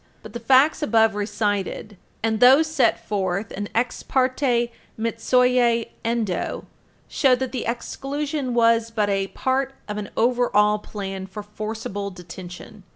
232 But the facts above recited, and those set forth in Ex parte Endo, supra, show that the exclusion was but a part of an over all plan for forceable detention.